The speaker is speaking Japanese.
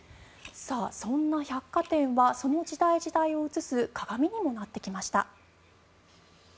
そんな百貨店はその時代時代を映す鏡にもなってきました。